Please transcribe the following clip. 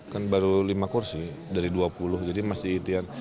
kan baru lima kursi dari dua puluh jadi masih ikhtiar